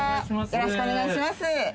よろしくお願いします。